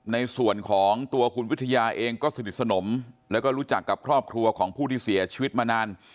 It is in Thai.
ในส่วนของตัวคุณวิทยาเองก็สนิทสนมแล้วก็รู้จักกับครอบครัวของผู้ที่เสียชีวิตมานาน